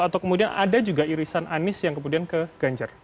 atau kemudian ada juga irisan anies yang kemudian ke ganjar